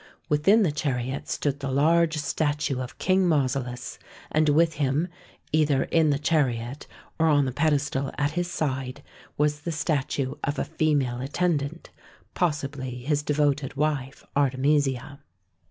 Within the chariot stood the large statue of King Mausolus, and with him, either in the chariot, or on the pedestal at his side, was the statue of a female attendant, possibly his de voted wife Artemisia.